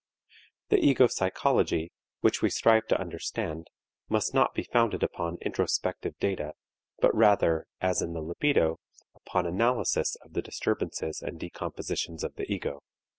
The ego psychology, which we strive to understand, must not be founded upon introspective data, but rather, as in the libido, upon analysis of the disturbances and decompositions of the ego.